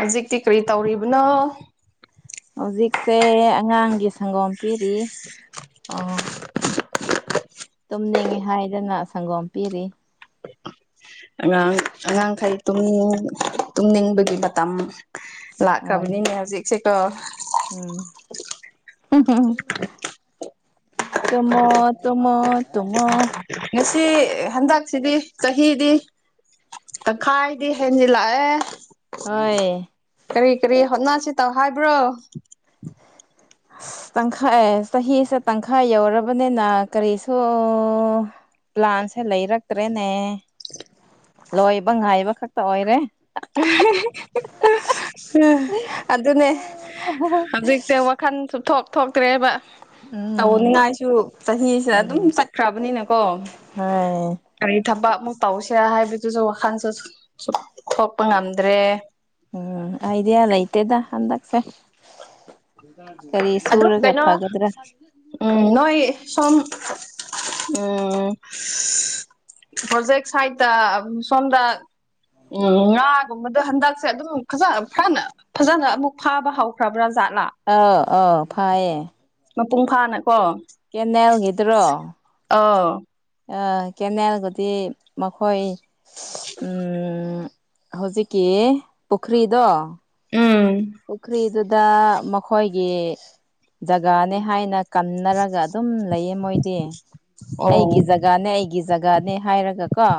ꯍꯧꯖꯤꯛꯇꯤ ꯀꯔꯤ ꯇꯧꯔꯤꯕꯅꯣ ꯁꯦ ꯑꯉꯥꯡꯒꯤ ꯁꯪꯒꯣꯝ ꯄꯤꯔꯤ ꯑ ꯇꯨꯝꯅꯤꯡꯉꯤ ꯍꯥꯏꯗꯅ ꯁꯪꯒꯣꯝ ꯄꯤꯔꯤ ꯑꯉꯥꯡ ꯑꯉꯥꯡꯈꯩ ꯄꯨꯡ ꯇꯨꯝꯅꯤꯡꯕꯒꯤ ꯎꯝ ꯃꯇꯝ ꯍꯣꯏ ꯂꯥꯛꯈ꯭ꯔꯕꯅꯤꯅꯦ ꯍꯧꯖꯤꯛꯁꯦꯀꯣ [inaudible] ꯎ ꯇꯃꯣ ꯇꯃꯣ ꯇꯃ ꯁꯤ ꯍꯟꯗꯛꯁꯤꯗꯤ ꯆꯍꯤꯗꯤ ꯑ ꯈꯥꯏꯗꯤ ꯍꯦꯟꯅꯤꯂꯑ ꯍꯣꯏ ꯍꯣꯠꯅꯁꯤ ꯇꯧ ꯍꯥꯏꯕ꯭ꯔꯣ ꯎ ꯇꯪꯈꯥꯏ ꯆꯍꯤꯁꯦ ꯇꯪꯈꯥꯏ ꯌꯧꯔꯕꯅꯤꯅ ꯀꯔꯤꯁꯨ ꯄ꯭ꯂꯥꯟꯁꯦ ꯂꯩꯔꯛꯇ꯭ꯔꯦꯅꯦ ꯂꯣꯏꯕ ꯉꯥꯏꯕ ꯈꯛꯇ ꯑꯣꯏꯔꯦ ꯑꯗꯨꯅꯦ ꯍꯧꯖꯤꯛꯁꯦ ꯋꯥꯈꯟ ꯁꯨꯞꯊꯣꯛ ꯊꯣꯛꯇ꯭ꯔꯦꯕ ꯎꯝ ꯇꯧꯅꯤꯡꯉꯥꯏꯁꯨ ꯆꯍꯤꯁꯤꯗ ꯎꯝ ꯑꯗꯨꯝ ꯆꯠꯈ꯭ꯔꯕꯅꯤꯅꯀꯣ ꯍꯣꯏ ꯀꯔꯤ ꯊꯕ ꯑꯃꯨꯛ ꯇꯧꯁꯤꯔꯥ ꯍꯥꯏꯕꯗꯨꯁꯨ ꯋꯥꯈꯜꯁꯨ ꯊꯣꯛꯄ ꯉꯝꯗ꯭ꯔꯦ ꯎꯝ ꯍꯥꯏꯗꯦ ꯂꯩꯇꯦꯗ ꯑꯟꯗꯛꯁꯦ ꯑꯗꯨꯝ ꯀꯩꯅꯣ ꯎꯝ ꯅꯣꯏ ꯁꯣꯝ ꯎꯝ ꯐꯖꯦꯛꯦꯛ ꯁꯥꯏꯇꯥ ꯁꯟꯗꯌꯥ ꯎꯝ ꯉꯥꯒꯨꯝꯕꯗ ꯍꯟꯗꯛꯁꯦ ꯑꯗꯨꯝ ꯐꯖ ꯐꯅ ꯐꯖꯅ ꯑꯃꯨꯛ ꯐꯥꯕ ꯍꯧꯥꯎꯈ꯭ꯔꯕ꯭ꯔꯥ ꯆꯠꯂ ꯑ ꯐꯌꯦ ꯃꯄꯨꯡ ꯐꯥꯅꯀꯣ ꯀꯦꯅꯦꯜꯒꯤꯗꯨꯔꯣ ꯑꯥꯎ ꯀꯦꯅꯦꯜꯒꯗꯤ ꯃꯈꯣꯏ ꯎꯝ ꯍꯧꯖꯤꯛꯀꯤ ꯄꯨꯈ꯭ꯔꯤꯗꯣ ꯎꯝ ꯄꯨꯈ꯭ꯔꯤꯗꯨꯗ ꯃꯈꯣꯏꯒꯤ ꯖꯒꯥꯅꯤ ꯍꯥꯏꯅ ꯀꯟꯅꯔꯒ ꯑꯗꯨꯝ ꯂꯩꯌꯦ ꯃꯣꯏꯗꯤ ꯑꯣ ꯑꯩꯒꯤ ꯖꯒꯥꯅꯦ ꯑꯩꯒꯤ ꯖꯒꯥꯅꯦ ꯍꯥꯏꯔꯒ ꯀꯣ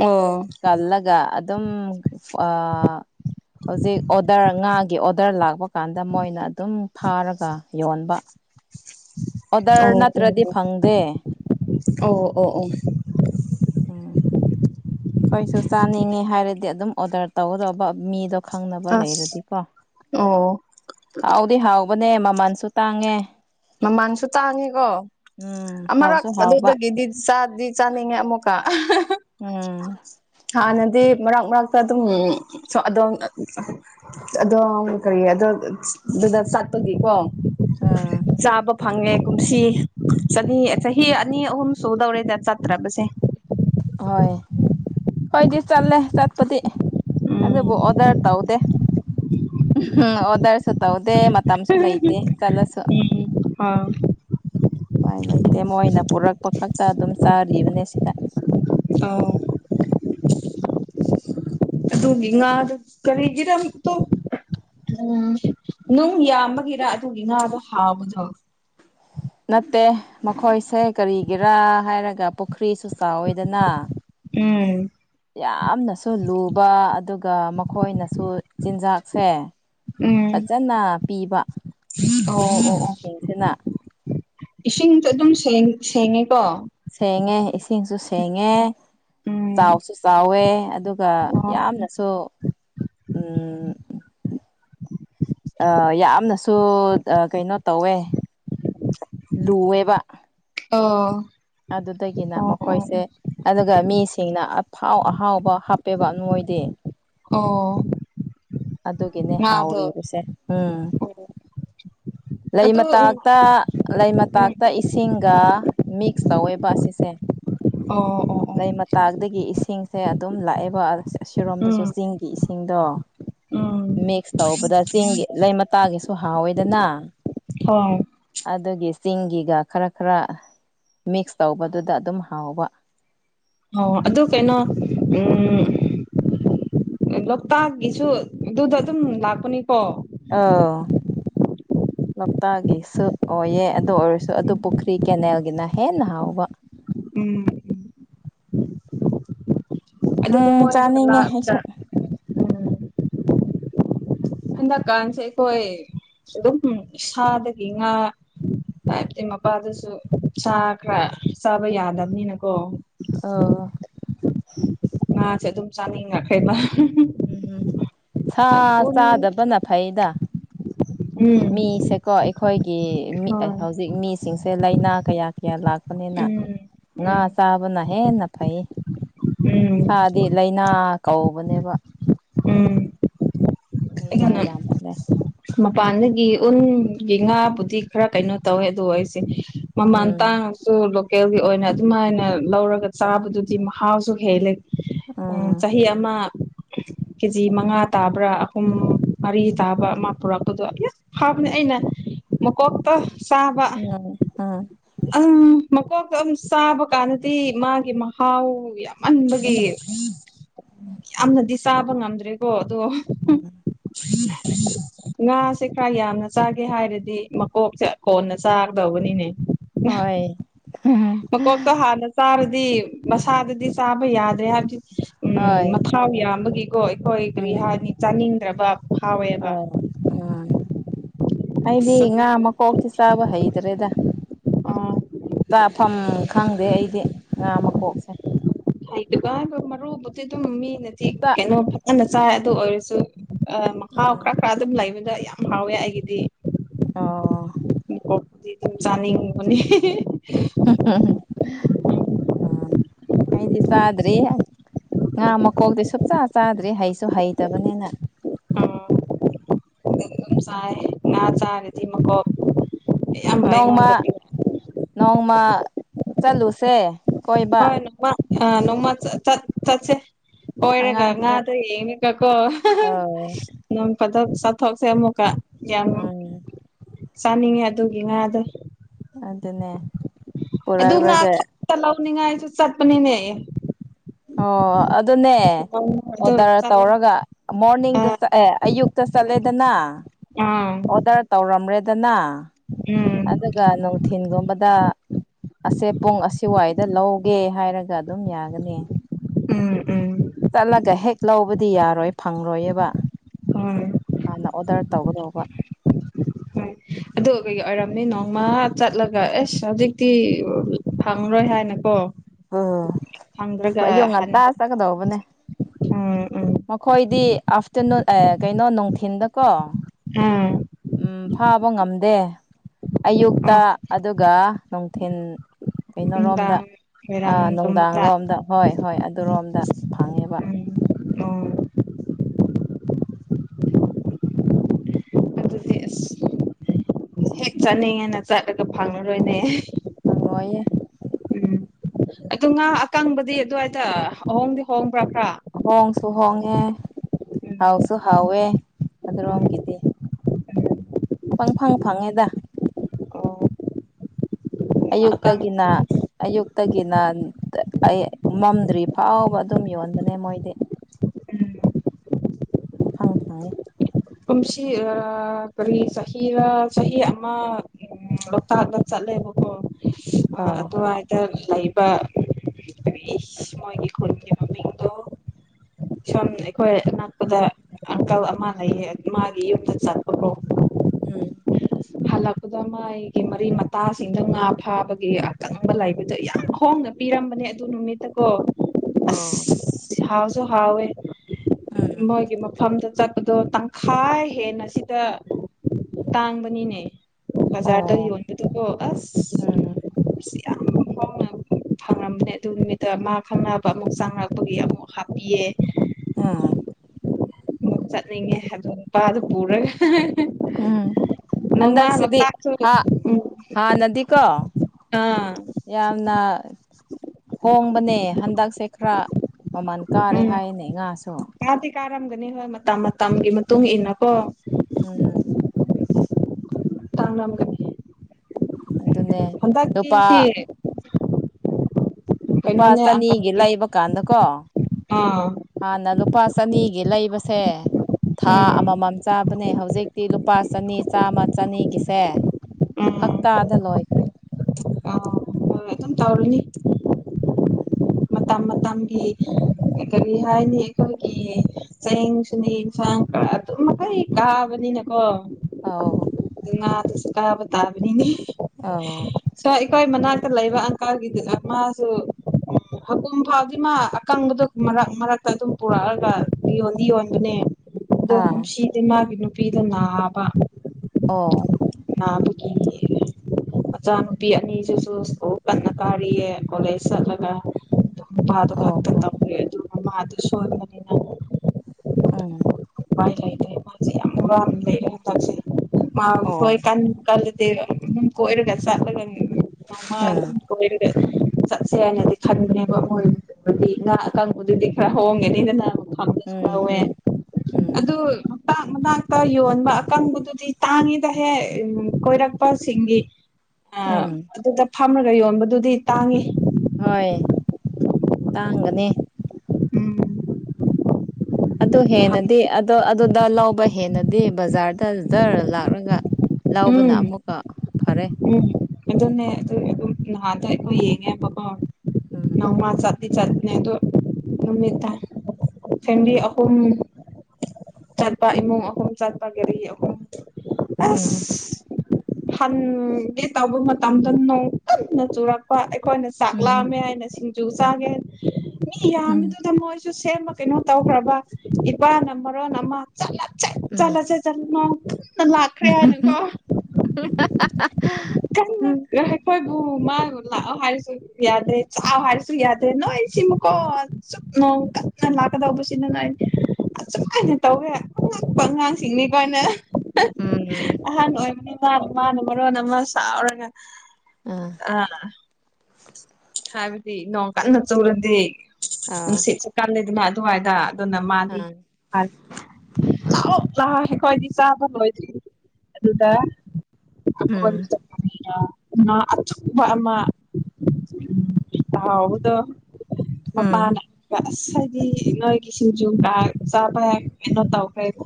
ꯑꯣ ꯀꯜꯂꯒ ꯑꯗꯨꯝ ꯍꯧꯖꯤꯛ ꯑꯣꯗꯔ ꯉꯥ ꯒꯤ ꯑꯣꯗꯔ ꯂꯥꯛꯄ ꯀꯥꯟꯗ ꯃꯣꯏꯅ ꯑꯗꯨꯝ ꯐꯥꯔꯒ ꯌꯣꯟꯕ ꯑꯣꯗꯔ ꯑꯣ ꯅꯠꯇ꯭ꯔꯗꯤ ꯐꯪꯗꯦ ꯑꯣ ꯑꯣ ꯑꯣ ꯎꯝ ꯑꯩꯣꯏꯁꯨ ꯆꯥꯅꯤꯡꯉꯤ ꯍꯥꯏꯔꯗꯤ ꯑꯗꯨꯝ ꯑꯣꯗꯔ ꯇꯧꯒꯗꯧꯕ ꯃꯤꯗꯣ ꯈꯪꯅꯕ ꯑꯁ ꯂꯩꯔꯗꯤꯀꯣ ꯑꯣ ꯍꯥꯎꯗꯤ ꯍꯥꯎꯕꯅꯦ ꯃꯟꯁꯨ ꯇꯥꯡꯉꯦ ꯃꯥ ꯃꯥꯡꯁꯨ ꯇꯥꯅꯤꯀꯣ ꯎꯝ ꯑꯃꯔꯛ ꯍꯥꯎꯁꯨ ꯍꯥꯎꯕ ꯑꯗꯨꯗꯒꯤꯗꯤ ꯆꯥꯗꯤ ꯆꯥꯅꯤꯡꯉꯦ ꯑꯃꯨꯛꯀ ꯎꯝ ꯍꯥꯟꯅꯗꯤ ꯃꯔꯛ ꯃꯔꯛꯇ ꯑꯗꯨꯝ ꯑꯗꯣꯝ ꯑꯗꯣ ꯀꯔꯤ ꯑꯗꯣ ꯑꯗꯨꯗ ꯆꯠꯄꯒꯤ ꯀꯣ ꯑꯥ ꯆꯥꯕ ꯐꯪꯉꯦ ꯀꯨꯝꯁꯤ ꯆꯅꯤ ꯆꯍꯤ ꯑꯅꯤ ꯑꯍꯨꯝ ꯁꯨꯗꯧꯔꯦꯗ ꯆꯠꯇ꯭ꯔꯕꯁꯦ ꯍꯣꯏ ꯍꯣꯏꯗꯤ ꯆꯠꯂꯦ ꯆꯠꯄꯗꯤ ꯎꯝ ꯑꯗꯨꯕꯨ ꯑꯣꯗꯔ ꯇꯧꯗꯦ ꯎꯝ ꯑꯣꯗꯔꯁ ꯇ ꯍꯗꯦ ꯃ ꯑ ꯑꯃꯁꯁꯨꯂꯍꯤꯇꯦ ꯆꯂꯁ ꯑꯥ ꯎꯄꯥꯏ ꯂꯩꯇꯦ ꯃꯣꯏꯅ ꯄꯨꯔꯛꯄ ꯈꯛꯇ ꯑꯗꯨꯝ ꯆꯥꯔꯤꯕꯅꯦ ꯁꯤꯗ ꯑꯥꯎ ꯑꯗꯨꯒꯤ ꯉꯥꯗꯨ ꯀꯔꯤꯒꯤꯔꯝꯛꯇꯣ ꯎꯝ ꯅꯨꯡ ꯌꯥꯝꯕꯒꯤꯔ ꯑꯗꯨꯒꯤ ꯉꯥꯗꯣ ꯍꯥꯎꯕꯗꯣ ꯅꯠꯇꯦ ꯃꯈꯣꯏꯁꯦ ꯀꯔꯤꯒꯤꯔꯥ ꯍꯥꯏꯔꯒ ꯄꯨꯈ꯭ꯔꯤꯁꯨ ꯆꯥꯎꯋꯏꯗꯅ ꯎꯝ ꯌꯥꯝꯅꯁꯨ ꯂꯨꯕ ꯑꯗꯨꯒ ꯃꯈꯣꯏꯅꯁꯨ ꯆꯤꯟꯖꯥꯛꯁꯦ ꯎꯝ ꯐꯖꯅ ꯄꯤꯕ ꯃꯤꯁꯤꯡꯁꯤꯅ ꯏꯁꯤꯡꯁꯦ ꯑꯗꯨꯝ ꯁꯦꯡꯉꯦꯀꯣ ꯁꯦꯡꯉꯦ ꯏꯁꯤꯡꯁꯨ ꯁꯦꯡꯉꯦ ꯑꯣ ꯆꯥꯎꯁꯨ ꯆꯥꯎꯋꯦ ꯑꯗꯨꯒ ꯌꯥꯝꯅꯁꯨ [unintelligible] ꯑ ꯌꯥꯝꯅꯁꯨ ꯀꯩꯅꯣ ꯇꯧꯋꯦ ꯂꯨꯑꯦꯕ ꯑꯣ ꯑꯗꯨꯗꯒꯤꯅ ꯑꯣ ꯑꯣ ꯃꯈꯣꯏꯁꯦ ꯑꯗꯨꯒ ꯃꯤꯁꯤꯡꯅ ꯑꯐꯥꯎ ꯑꯍꯥꯎꯕꯞ ꯄꯦꯕ ꯅꯣꯏꯗꯤ ꯑꯣ ꯑꯗꯨꯒꯤꯅꯦ ꯉꯥꯗꯣ ꯍꯥꯎꯔꯤꯕꯁꯦ ꯎꯝ ꯑꯣ ꯂꯩ ꯑꯗꯨ ꯎꯝ ꯃꯇꯥꯛꯇ ꯂꯩ ꯎꯝ ꯃꯇꯥꯛꯇ ꯏꯁꯤꯡꯒ ꯃꯤꯛꯁ ꯇꯧꯋꯦꯕ ꯑꯁꯤꯁꯦ ꯑꯣ ꯑꯣ ꯑꯣ ꯂꯩ ꯃꯇꯥꯗꯒꯤ ꯏꯁꯤꯡꯁꯦ ꯑꯗꯨꯝ ꯂꯥꯛꯑꯦꯕ ꯁꯤꯔꯣꯝꯗꯁꯨ ꯎꯝ ꯆꯤꯡꯒꯤ ꯏꯁꯤꯡꯗꯣ ꯎꯝ ꯃꯤꯛꯁ ꯇꯧꯕꯗ ꯆꯤꯡꯒꯤ ꯂꯩ ꯃꯇꯥꯒꯤꯁꯨ ꯍꯥꯎꯋꯦꯗꯅ ꯍꯣꯏ ꯑꯗꯨꯒꯤ ꯆꯤꯡꯒꯤꯒ ꯈꯔ ꯈꯔ ꯃꯤꯛꯁ ꯇꯧꯕꯗꯨꯗ ꯑꯗꯨꯝ ꯍꯥꯎꯕ ꯑꯣ ꯑꯗꯨ ꯀꯩꯅꯣ ꯎꯝ ꯂꯣꯛꯇꯥꯛꯒꯤꯁꯨ ꯑꯗꯨꯗ ꯑꯗꯨꯝ ꯂꯥꯛꯄꯅꯤꯀꯣ ꯑꯥ [unintelligible] ꯂꯣꯛꯇꯥꯛꯒꯤꯁꯨ ꯑꯣꯏꯑ ꯑꯗꯨ ꯑꯣꯏꯔꯁꯨ ꯑꯗꯨ ꯄꯨꯈ꯭ꯔꯤ ꯀꯦꯅꯦꯜꯒꯤꯅ ꯍꯦꯟꯅ ꯍꯥꯎꯕ ꯎꯝ ꯑꯗꯨ ꯎꯝ ꯑꯗꯨꯃꯣꯏ ꯂ ꯆꯥꯅꯤꯡꯉꯦ ꯑꯩꯁꯨ ꯎꯝ ꯍꯟꯗꯛꯀꯥꯟꯁꯦ ꯑꯩꯈꯣꯏ ꯑꯗꯨꯝ ꯁꯥꯗꯒꯤ ꯉꯥ ꯍꯥꯏꯕꯗꯤ ꯃꯄꯥꯗꯨꯁꯨ ꯆꯥ ꯈ꯭ꯔ ꯆꯥꯕ ꯌꯥꯗꯕꯅꯤꯅ ꯑꯣ ꯉꯥꯁꯦ ꯑꯗꯨꯝ ꯆꯥꯅꯤꯡꯉꯈ꯭ꯔꯦ ꯃꯥ ꯎꯝ ꯁꯥ ꯎꯝ ꯆꯥꯗꯕꯅ ꯐꯩꯗ ꯎꯝ ꯃꯤꯁꯦꯀꯣ ꯑꯩꯈꯣꯏꯒꯤ ꯍꯣꯏ ꯍꯧꯖꯤꯛ ꯃꯤꯁꯤꯡꯁꯦ ꯂꯥꯏꯅꯥ ꯀꯌꯥ ꯀꯌꯥ ꯂꯥꯛ ꯑꯅꯤꯅ ꯎꯝ ꯉ ꯎꯝ ꯆꯥꯕꯅ ꯍꯦꯟꯅ ꯐꯩ ꯎꯝ ꯁꯥꯗꯤ ꯂꯥꯏꯅꯥ ꯀꯧꯕꯅꯦꯕ ꯎꯝ ꯑꯣꯏꯅꯥꯍ ꯑꯗꯨꯅ ꯌꯥꯝꯃꯜꯂꯦ ꯃꯄꯥꯟꯗꯒꯤ ꯎꯟꯒꯤ ꯉꯥꯕꯨꯗꯤ ꯈꯔ ꯀꯩꯅꯣ ꯇꯧꯋꯦ ꯑꯗꯨ ꯑꯩꯁꯦ ꯃꯃꯥꯟ ꯎꯝ ꯇꯥꯡꯉꯁꯨ ꯂꯣꯀꯦꯜꯒꯤ ꯑꯣꯏꯅ ꯑꯗꯨꯝ ꯍꯥꯏꯅ ꯂꯧꯔꯒ ꯆꯥꯕꯗꯨꯗꯤ ꯍꯥꯎꯁꯨ ꯍꯦꯜꯂꯤꯦ ꯎ ꯎꯝ ꯆꯍꯤ ꯑꯃ ꯀꯦꯖꯤ ꯃꯉꯥ ꯇꯥꯕ꯭ꯔꯥ ꯑꯍꯨꯝ ꯃꯔꯤ ꯇꯥꯕ ꯄꯨꯔꯛꯄꯗꯣ ꯑ ꯐꯥꯕꯅꯦ ꯑꯩꯅ ꯃꯀꯣꯛꯇ ꯆꯥꯕ ꯎꯝ ꯑꯗꯨꯝ ꯃꯀꯣꯛꯇꯣ ꯑꯗꯨꯝ ꯆꯥꯕ ꯀꯥꯟꯗꯗꯤ ꯃꯥꯒꯤ ꯃꯍꯥꯎ ꯌꯥꯝꯃꯟꯕꯒꯤ ꯎ ꯌꯥꯝꯅꯗꯤ ꯆꯥꯕ ꯉꯝꯗ꯭ꯔꯦꯀꯣ ꯑꯗꯣ ꯎꯝ ꯎꯝ ꯉꯥꯁꯦ ꯈꯔ ꯌꯥꯝꯅ ꯆꯥꯒꯦ ꯍꯥꯏꯔꯗꯤ ꯃꯀꯣꯛꯁꯦ ꯀꯣꯟꯅ ꯆꯥꯒꯗꯧꯕꯅꯤꯅꯦ ꯍꯣꯏ ꯃꯀꯣꯛꯛꯇ ꯍꯥꯟꯅ ꯆꯔ ꯃꯁꯥꯗꯗꯤ ꯆꯥꯕ ꯌꯥꯗ꯭ꯔꯦ ꯍꯥꯏꯕꯗꯤ ꯍꯣꯏ ꯎꯝ ꯃꯊꯥꯎ ꯌꯥꯝꯕꯒꯤ ꯑꯣꯣ ꯑꯩꯈꯣꯏ ꯎꯝ ꯑꯗꯨꯔꯤꯍꯥꯟꯅꯤ ꯆꯥꯅꯤꯡꯗ꯭ꯔꯕ ꯐꯥꯎꯋꯦꯕ ꯑꯥ ꯎꯝ ꯑꯩꯗꯤ ꯑꯁ ꯉꯥ ꯑꯗꯨꯒꯤ ꯃꯀꯣꯛꯇꯤ ꯆꯥꯕ ꯍꯩꯇ꯭ꯔꯦꯗ ꯑ ꯇꯥꯐꯝ ꯈꯪꯗꯦ ꯑꯩꯗꯤ ꯉꯥ ꯃꯀꯣꯛꯁꯦ ꯍꯩꯗꯨꯒ ꯑꯩ ꯃꯔꯨꯕꯨꯗꯤ ꯑꯗꯨꯝ ꯃꯤꯅꯗꯤ ꯆꯥ ꯀꯩꯅꯣ ꯐꯖꯅ ꯆꯥꯏ ꯑꯗꯨ ꯑꯣꯏꯔꯁꯨ ꯑ ꯃꯈꯥꯎ ꯎꯝ ꯈꯔ ꯈꯔ ꯑꯗꯨꯝ ꯂꯩꯕꯗ ꯌꯥꯝ ꯍꯥꯎꯋꯦ ꯑꯩꯒꯤꯗꯤ ꯑ ꯀꯗꯤ ꯑꯗꯨꯝ ꯆꯥꯅꯤꯡꯉꯨꯝꯕꯅꯤ ꯑꯣ ꯑꯩꯁ꯭ꯔꯤ ꯉꯥ ꯃꯀꯣꯛꯇꯤ ꯁꯨꯡꯆꯥ ꯆꯥꯗ꯭ꯔꯤ ꯍꯩꯁꯨ ꯍꯩꯇꯕꯅꯤꯅ ꯎ ꯑꯗꯨꯝ ꯆꯥꯏ ꯉꯥ ꯆꯥꯔꯒꯗꯤ ꯃꯀꯣꯛ ꯑꯌꯥꯝꯕ ꯅꯣꯡꯣꯡꯃ ꯑꯩꯉꯣꯟꯗ ꯄꯤ ꯅꯣꯡꯃ ꯆꯠꯂꯨꯁꯦ ꯀꯣꯏꯕ ꯑ ꯅꯣꯡꯃ ꯆꯆꯦ ꯍꯔꯀ ꯉ ꯑꯉꯥꯡꯁꯦ ꯑꯗꯨ ꯌꯦꯡꯀꯣ ꯑꯧ ꯐꯗꯕ ꯆꯥꯊꯣꯛꯁꯦ ꯑꯃꯨꯛꯀ ꯌꯥꯝ ꯎꯝ ꯆꯥꯅꯤꯡꯉꯦ ꯑꯗꯨꯒꯤ ꯉꯥꯗꯣ ꯑꯗꯨꯅꯦ ꯑꯗꯨ ꯉ ꯄꯨꯔꯛꯔꯒ ꯈꯛꯇ ꯂꯧꯅꯤꯡꯉꯥꯏꯁꯨ ꯆꯠꯄꯅꯤꯅꯦ ꯑꯣ ꯑꯗꯨꯗꯟꯅꯦ ꯑꯗꯨ ꯑꯣꯗꯔ ꯆꯠꯂꯦ ꯇꯧꯔꯒ ꯃꯣꯔꯅꯤꯡꯗ ꯑꯥ ꯆꯠ ꯑꯦ ꯑꯌꯨꯛꯇ ꯆꯠꯂꯦꯗꯅ ꯑꯥ ꯑꯣꯗꯔ ꯇꯧꯔꯝꯔꯦꯗꯅ ꯎꯝ ꯑꯗꯨꯒ ꯅꯨꯡꯊꯤꯟꯒꯨꯝꯕꯗ ꯑꯁꯦ ꯄꯨꯡ ꯑꯁꯤ ꯋꯥꯏ ꯁꯤ ꯗ ꯂꯧꯒꯦ ꯍꯥꯏꯔꯒ ꯑꯗꯨꯝ ꯌꯥꯒꯅꯤ ꯎꯝ ꯎꯝ ꯆꯠꯂꯒ ꯍꯦꯛ ꯂꯧꯕꯗꯤ ꯌꯥꯔꯣꯏ ꯐꯪꯔꯣꯏꯌꯦꯕ ꯍꯣꯏ ꯍꯥꯟꯅ ꯑꯣꯗꯔ ꯇꯧꯒꯗꯧꯕ ꯎ ꯑ ꯀꯩꯀ ꯑꯣꯏꯔꯝꯅꯤ ꯅꯣꯡꯃ ꯆꯠꯂꯒ ꯑꯦꯁ ꯍꯧꯖꯤꯛꯇꯤ ꯐꯪꯔꯣꯏ ꯍꯥꯏꯅꯀꯣ ꯑꯣ ꯐꯪꯗ꯭ꯔꯒ ꯍꯣꯏ ꯌꯣꯡ ꯉꯥꯟ ꯇ ꯍꯟꯕ ꯆꯀꯗꯧꯕꯅꯦ ꯎꯝ ꯎꯝ ꯃꯈꯣꯏꯗꯤ ꯑꯥꯐꯇꯔꯅꯨꯟ ꯀꯩꯅꯣ ꯅꯨꯡꯊꯤꯟꯗꯀꯣ ꯎꯝ ꯎꯝ ꯐꯥꯕ ꯉꯝꯗꯦ ꯑꯌꯨꯛꯇ ꯑꯣ ꯑꯗꯨꯒ ꯊꯤꯟ ꯀꯩꯅꯣꯔꯣꯝꯗ ꯅꯨꯡꯗꯥꯡ ꯑꯥ ꯋꯥꯏꯔꯝꯒꯨꯝꯕꯗ ꯅꯨꯡꯗꯥꯡꯔꯣꯝꯗ ꯍꯣꯏ ꯍꯣꯏ ꯑꯗꯨꯔꯣꯝꯗ ꯗ ꯐꯪꯉꯦꯕ ꯎꯝ ꯑꯣ ꯑꯗꯨꯗꯤ ꯑꯁ ꯍꯦꯛ ꯆꯠꯅꯤꯡꯉꯅ ꯆꯠꯂꯒ ꯐꯪꯂꯉꯨꯔꯣꯏꯅꯦ ꯍꯪꯉ ꯋꯥꯏꯌꯦꯦ ꯑꯗꯨ ꯉꯥ ꯑꯀꯪꯕꯗꯤ ꯑꯗꯨꯋꯥꯏꯗ ꯑꯍꯣꯡꯗꯤ ꯍꯣꯡ ꯍꯣꯡꯁꯨ ꯍꯣꯡꯉꯦ ꯎꯝ ꯍꯥꯎꯁꯨ ꯍꯥꯎꯋꯦ ꯑꯗꯨꯗ ꯔꯣꯝ ꯀꯗꯤꯦ ꯄꯪ ꯐꯪ ꯐꯪꯉꯦꯗ [unintelligible] ꯑꯀꯪ ꯑꯌꯨꯛꯇꯒꯤꯅ ꯑꯌꯨꯛꯇꯒꯤꯅ ꯑꯩ ꯃꯝꯗ꯭ꯔꯤ ꯐꯥꯎꯕ ꯑꯗꯨꯝ ꯌꯣꯟꯕꯅꯦ ꯃꯣꯏꯗꯤ ꯎꯝ ꯐꯪꯦ ꯐꯪꯉꯦ ꯀꯨꯝꯁꯤ ꯀꯔꯤ ꯆꯍꯤꯒ ꯆꯍꯤ ꯑꯃ ꯎꯝ ꯂꯣꯛꯇꯥꯛ ꯂ ꯆꯠꯂꯦꯕꯀꯣ ꯑꯥ ꯑꯗꯨꯋꯥꯏꯗ ꯂꯩꯕ ꯃꯣꯏꯒꯤ ꯈꯨꯟꯒꯤ ꯃꯃꯤꯡꯗꯣ ꯁꯝ ꯑꯩꯈꯣꯏ ꯑꯅꯛꯄꯗ ꯑꯪꯀꯜ ꯑꯃ ꯂꯩꯌꯦ ꯃꯥꯒꯤ ꯏꯛꯇ ꯆꯠꯄ ꯎꯝ ꯍꯜꯂꯛꯄꯗ ꯃꯥꯏꯒꯤ ꯃꯔꯤ ꯃꯇꯥꯁꯤꯡꯗ ꯉꯥ ꯐꯥꯕꯒꯤ ꯀꯅꯝꯕ ꯂꯩꯕꯗꯨ ꯌꯥꯝ ꯍꯣꯡꯉ ꯄꯤꯔꯝꯕꯅꯦ ꯑꯗꯨ ꯅꯨꯃꯤꯠꯇ ꯀꯣ ꯑꯣ ꯑꯁ ꯍꯥꯎꯁꯨ ꯍꯥꯎꯋꯦ ꯎꯝ ꯃꯣꯏꯒꯤ ꯃꯐꯝꯗ ꯆꯠꯄꯗꯣ ꯇꯪꯈꯥꯏ ꯍꯦꯟꯅ ꯁꯤꯗ ꯇꯥꯡꯕꯅꯤꯅꯦ ꯕꯖꯔꯗ ꯑꯣ ꯌꯣꯟꯕꯗꯨꯀꯣ ꯑꯁ ꯎꯝ ꯌꯥꯝ ꯍꯥꯎꯉ ꯐꯪꯉꯝꯕꯅꯦ ꯑꯗꯨ ꯅꯨꯃꯤꯠꯇ ꯃꯥ ꯈꯪꯅꯕ ꯑꯃꯨꯛ ꯆꯥꯡꯅꯔꯛꯄꯒꯤ ꯑꯃꯨꯛ ꯍꯥꯞꯄꯤꯌꯦ ꯎꯝ ꯆꯠꯅꯤꯡꯉꯦ ꯑ ꯅꯨꯄꯥꯗꯨ ꯄꯨꯔꯒ ꯎꯝ ꯅꯣꯡꯃ ꯑꯗꯒ ꯁꯤꯗꯤ ꯂꯣꯛꯇꯥꯛꯁꯨ ꯍꯥ ꯎꯝ ꯍꯥ ꯅꯗꯤ ꯀꯣ ꯑꯥ ꯌꯥꯝꯅ ꯍꯣꯡꯕꯅꯦ ꯍꯟꯗꯛꯁꯦ ꯈꯔ ꯃꯃꯜ ꯀꯥꯔꯦ ꯎꯝ ꯍꯥꯏꯅꯦ ꯉꯥꯁꯨ ꯀꯥꯗꯤ ꯀꯥꯔꯝꯒꯅꯤ ꯍꯣꯏ ꯃꯇꯝ ꯃꯇꯝꯒꯤ ꯃꯇꯨꯡ ꯏꯟꯅ ꯀꯣ ꯎꯝ ꯇꯥꯡꯔꯝꯒꯅꯤ ꯑꯗꯨꯅꯦ ꯑꯗ ꯀ ꯂꯨꯄꯥ ꯁꯤ ꯎꯄꯥ ꯀꯩꯅꯣꯅꯦ ꯑꯪꯀꯜꯒꯤ ꯑꯁꯅꯤꯒꯂ ꯏꯕ ꯀꯗꯀꯣ ꯑꯥ ꯍꯥꯟꯅ ꯂꯨꯄꯥ ꯆꯅꯤꯒꯤ ꯂꯩꯕꯁꯦ ꯊꯥ ꯎꯝ ꯑꯃꯃꯝ ꯆꯥꯕꯅꯦ ꯍꯧꯖꯤꯛ ꯇꯤ ꯂꯨꯄꯥ ꯆꯅꯤ ꯆꯥꯝꯃ ꯆꯅꯤꯒꯤꯁꯦ ꯎꯝ ꯍꯛꯇ ꯑꯗꯂ ꯋꯥꯈ꯭ꯔꯦ ꯑꯥ ꯍꯣꯏ ꯑꯗꯨꯝ ꯇꯧꯔꯅꯤ ꯎꯝ ꯃꯇꯝ ꯃꯇꯝꯒꯤ ꯀꯔꯤ ꯍꯥꯏꯅꯤ ꯑꯩꯈꯣꯏꯒꯤ ꯆꯦꯡ ꯁꯅꯤ ꯌꯦꯟꯁꯥꯡ ꯑꯗꯨ ꯃꯈꯩ ꯀꯥꯕꯅꯤꯅꯀꯣ ꯑꯥꯎ ꯀꯥꯕ ꯇꯥꯕꯅꯤꯅꯤ ꯑꯧ ꯁ ꯑꯩꯈꯣꯏ ꯃꯅꯥ ꯂꯩꯕ ꯑꯪꯀꯥꯜꯒꯤꯗꯨ ꯃꯥꯁꯨ ꯎꯝ ꯍꯧꯀꯣꯝ ꯐꯥꯎꯗꯤ ꯃꯥ ꯑꯀꯪꯕꯗꯣ ꯃꯔꯛ ꯃꯔꯛꯇ ꯑꯗꯨꯝ ꯄꯨꯔꯛꯑꯒ ꯌꯣꯟꯗꯤ ꯌꯣꯟꯕꯅꯦ ꯑꯗꯣ ꯑꯥ ꯀꯨꯝꯁꯤꯗꯤ ꯃꯥꯒꯤ ꯅꯨꯄꯤꯗꯣ ꯅꯥꯕ ꯑꯣ ꯅꯥꯕꯒꯤ ꯃꯆꯥꯅꯨꯄꯤ ꯑꯅꯤꯁꯤꯁꯨ ꯑ ꯀꯟꯅ ꯀꯥꯔꯤꯌꯦ ꯀꯣꯂꯦꯖ ꯆꯠꯂꯒꯄꯥꯥꯗꯣ ꯑꯣ ꯈꯛꯇ ꯇꯧꯔꯦ ꯑꯗꯨ ꯃꯥ ꯃꯥꯗꯣ ꯁꯣꯟꯕꯅꯤꯅꯥ ꯎꯝ ꯑꯃꯁꯦ ꯄꯣꯠꯆꯩ ꯌꯥꯝ ꯍꯨꯔꯝꯂꯦ ꯑꯣ ꯅꯣꯏ ꯑꯥ ꯀꯥ ꯑꯗꯨꯝ ꯀꯣꯏꯔꯒ ꯆꯠ ꯑ ꯎꯝ ꯑꯗꯨꯝ ꯑꯣꯏꯔꯒ ꯆꯠꯁꯦ ꯍꯥꯏꯅꯗꯤ ꯈꯟꯕꯅꯦꯕ ꯃꯣꯏꯗꯤ ꯉꯥ ꯑꯀꯪꯕꯗꯨꯗꯤ ꯈꯔ ꯍꯣꯡꯒꯅꯤꯗ ꯁꯨ ꯎꯝ ꯇꯧꯋꯦ ꯎꯝ ꯑꯗꯨ ꯎꯝ ꯄꯥꯛ ꯃꯅꯥꯛꯇ ꯌꯣꯟꯕ ꯑꯀꯪꯕꯗꯨꯗꯤ ꯇꯥꯡꯉꯤꯗ ꯍꯦꯛ ꯎ ꯀꯣꯏꯔꯛꯄꯁꯤꯡꯒꯤ ꯑ ꯎꯝ ꯑꯗꯨꯗ ꯐꯝꯃꯒ ꯌꯣꯟꯕꯗꯨꯗꯤ ꯇꯥꯡꯏꯤ ꯇꯥꯡꯒꯅꯦ ꯎꯝ ꯑꯗꯨ ꯅꯍꯥꯟ ꯍꯦꯟꯅꯗꯤ ꯑ ꯑꯗꯨꯗ ꯂꯧꯕ ꯍꯦꯟꯅꯗꯤ ꯕꯖꯥꯔꯗ ꯂꯥꯛꯂꯒ ꯂꯕꯅ ꯎꯝ ꯑꯃꯨꯛꯀ ꯐꯔꯦ ꯎꯝ ꯑꯗꯨꯅꯦ ꯑꯗꯨ ꯑꯗꯨꯝ ꯅꯍꯥꯟꯗ ꯑꯩꯈꯣꯏ ꯌꯦꯡꯉꯦꯀ ꯎꯝ ꯅꯣꯡꯃ ꯆꯠ ꯆꯅꯦ ꯑꯗꯣ ꯅꯨꯃꯤ ꯐꯦꯃꯤꯂꯤ ꯑꯍꯨꯝ ꯆꯥꯄꯄꯥ ꯏꯃꯨꯡ ꯑꯍꯨꯝ ꯆꯥꯄꯥ ꯔꯤ ꯑꯍꯨꯝ ꯎꯝ ꯑꯁ ꯍꯟꯒꯦ ꯇꯧꯕ ꯃꯇꯝꯗ ꯅꯣꯡ ꯅ ꯆꯨꯔꯛꯄ ꯑꯩꯈꯣꯏꯅ ꯎꯝ ꯆꯥꯛꯂꯥꯛꯑꯝꯃꯦ ꯍꯥꯏꯅ ꯁꯤꯡꯖꯨ ꯆꯥꯒꯦꯅ ꯃꯤ ꯌꯥꯝꯃꯤꯗꯨꯗ ꯃꯣꯏ ꯁꯨ ꯁꯦꯝꯃ ꯀꯩꯅꯣ ꯇꯧꯈ꯭ꯔꯕ ꯏꯄꯥꯅ ꯃꯔꯣꯟ ꯑꯃ ꯆ ꯆꯠ ꯎꯝ ꯆꯠꯂ ꯆꯦꯠ ꯆꯣ ꯂꯥꯛꯈ꯭ꯔꯦ ꯍꯥꯏꯅꯀꯣ ꯀꯟꯅꯥ ꯎꯝ ꯑꯩꯀꯍꯣꯏ ꯎ ꯃꯥ ꯂ ꯍꯔꯁꯨ ꯌꯥꯗ ꯆꯥꯎ ꯍꯔꯁꯨ ꯌꯥꯗꯦ ꯅꯣꯏꯁꯤꯃꯨꯀꯣꯟ ꯂꯥꯛꯀꯗꯧꯕꯕꯁꯤꯅ ꯅꯣꯏ ꯍꯥꯏꯩꯅ ꯇꯧꯋꯦ ꯑꯉꯛꯄ ꯑꯉꯥꯡꯁꯤꯡꯅꯤꯀꯅ ꯎꯝ ꯑꯍꯟ ꯑꯣꯏꯕꯅꯦ ꯃꯥꯅ ꯃꯥꯅ ꯃꯔꯣꯟ ꯑꯃ ꯁꯥꯎꯔꯒ ꯑꯥ ꯑ ꯍꯥꯏꯕꯗꯤ ꯅꯣꯡ ꯀꯟꯅ ꯆꯨꯔꯗꯤ ꯑꯥ ꯅꯨꯡꯁꯤꯠꯁꯨ ꯀꯜꯂꯦꯗꯅ ꯑꯗꯨꯋꯥꯏꯗ ꯑꯗꯨꯅ ꯃꯥꯗꯤ ꯑꯥ ꯈ꯭ꯣꯏꯗꯤ ꯆꯥꯕ ꯂꯣꯏꯗ꯭ꯔꯤ ꯑꯗꯨꯗ ꯎꯝ ꯑꯣꯟꯄ ꯑꯗꯨꯆꯨꯞ ꯑꯃꯥ ꯍꯧꯕꯗꯨ ꯎꯝ ꯃꯄꯅ ꯉꯁꯥꯏꯗꯤ ꯅꯣꯏꯒꯤ ꯁꯤꯡꯖꯨ ꯀ ꯆꯥꯕ ꯀꯩꯅꯣ ꯇꯧꯈ꯭ꯔꯦꯕ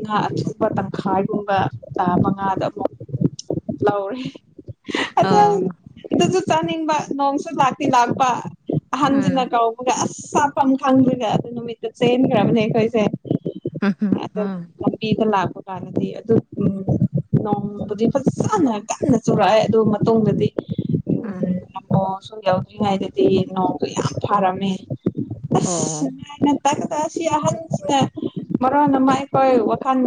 ꯉꯥ ꯑꯊꯨꯕ ꯇꯪꯈꯥꯏꯒꯨꯝꯕ ꯇꯥꯕ ꯉꯥꯗ ꯑꯃꯨꯛ ꯂꯧꯔꯦ ꯑ ꯑꯗ ꯑꯗꯨꯁꯨ ꯆꯥꯅꯤꯡꯕ ꯅꯣꯡꯁꯨ ꯂꯥꯛꯇꯤ ꯂꯥꯛꯄ ꯑꯍꯟꯁꯤꯅ ꯎꯝ ꯀꯧꯕꯒ ꯑꯁ ꯆꯥꯐꯝ ꯈꯪꯗꯒ ꯑꯗꯨ ꯅꯨꯃꯤꯠꯇꯨ ꯆꯦꯟꯈ꯭ꯔꯕꯅꯦ ꯑꯩꯈꯣꯏꯁꯦ ꯎꯝ ꯑꯗꯨꯅꯤ ꯎꯝ ꯃꯄꯤꯅꯥ ꯂꯥꯛ ꯀꯥꯟꯗꯗꯤ ꯑꯗꯨ ꯎ ꯅꯣꯡꯃꯗꯨꯗꯤ ꯐꯖꯅ ꯀꯟꯅ ꯆꯨꯔꯛꯑꯦ ꯑꯗꯨ ꯃꯇꯨꯡꯗꯗꯤ ꯎꯝ ꯑꯣ ꯁꯨꯝ ꯌꯥꯎꯗ꯭ꯔꯤꯉꯩꯗꯗꯤ ꯅꯣꯡꯗꯣ ꯌꯥꯝ ꯐꯥꯔꯝꯃꯦ ꯑꯣ ꯑꯁꯥꯏꯅ ꯇꯥꯛ ꯇ ꯑꯁꯤ ꯑꯍꯟꯁꯤꯅ ꯃꯔꯣꯟꯅ ꯑꯃ ꯑꯩꯈꯣꯏ ꯋꯥꯈꯜ